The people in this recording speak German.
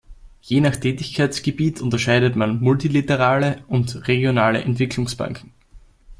Je nach Tätigkeitsgebiet unterscheidet man "multilaterale" und "regionale Entwicklungsbanken".